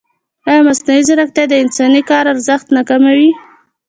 ایا مصنوعي ځیرکتیا د انساني کار ارزښت نه کموي؟